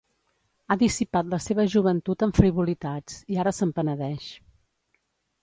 Ha dissipat la seva joventut en frivolitats, i ara se'n penedeix.